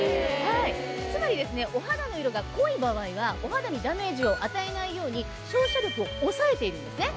つまりお肌の色が濃い場合はお肌にダメージを与えないように照射力を抑えているんですね。